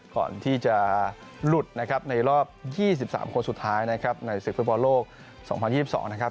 ก่อนที่จะหลุดนะครับในรอบ๒๓คนสุดท้ายนะครับในศึกฟุตบอลโลก๒๐๒๒นะครับ